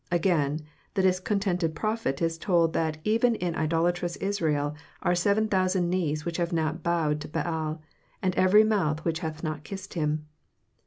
Again, the discontented prophet is told that even in idolatrous Israel are seven thousand knees which have not bowed to Baal, "and every mouth which hath not kissed him."